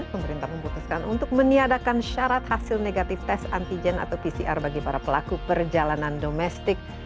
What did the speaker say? pemerintah memutuskan untuk meniadakan syarat hasil negatif tes antigen atau pcr bagi para pelaku perjalanan domestik